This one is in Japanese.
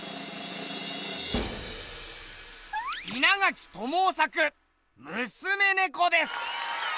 稲垣知雄作「娘猫」です。